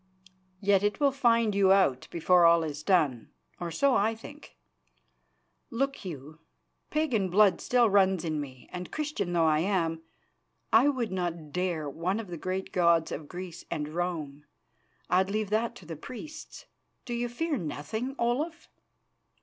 "Yet it will find you out before all is done, or so I think. Look you, pagan blood still runs in me, and, Christian though I am, I would not dare one of the great gods of Greece and Rome. I'd leave that to the priests. Do you fear nothing, Olaf?"